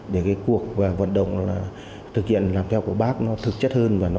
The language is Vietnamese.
để cuộc vận động thực hiện làm theo của bác thực chất hơn